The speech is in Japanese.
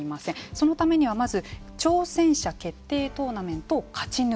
そのためにはまず挑戦者決定トーナメントを勝ち抜く。